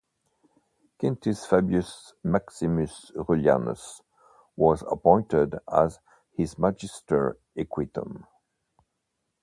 Quintus Fabius Maximus Rullianus was appointed as his magister equitum.